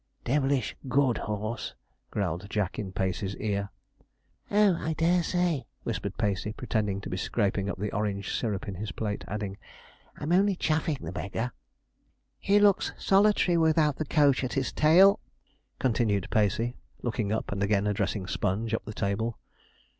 'Devilish good horse,' growled Jack in Pacey's ear. 'Oh, I dare say,' whispered Pacey, pretending to be scraping up the orange syrup in his plate, adding, 'I'm only chaffing the beggar.' 'He looks solitary without the coach at his tail,' continued Pacey, looking up, and again addressing Sponge up the table.